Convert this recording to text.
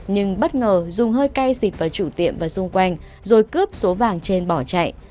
nhưng bất ngờ dùng hơi cay xịt vào chủ tiệm và xung quanh rồi cướp số vàng trên bỏ chạy